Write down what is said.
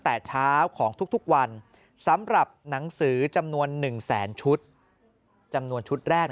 แต่เช้าของทุกวันสำหรับหนังสือจำนวน๑แสนชุดจำนวนชุดแรก